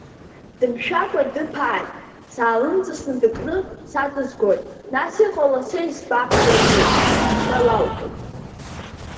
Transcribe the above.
Дымшәакәа дыԥааит, саалымҵасны дыкны, са дызгоит, нас иҟало са избап ҳәа иҳәеит, ҳәа лалҳәеит.